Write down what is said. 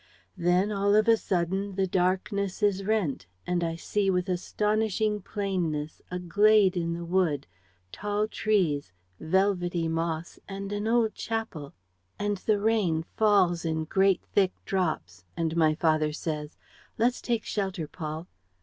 ... Then, all of a sudden, the darkness is rent and I see, with astonishing plainness, a glade in the wood, tall trees, velvety moss and an old chapel. And the rain falls in great, thick drops, and my father says, 'Let's take shelter, Paul.'